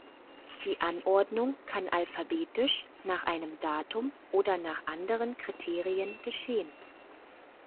Die Anordnung kann alphabetisch, nach einem Datum oder nach anderen Kriterien geschehen.